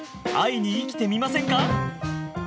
愛に生きてみませんか？」。